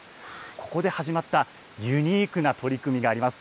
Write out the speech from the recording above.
ここで始まったユニークな取り組みがあります。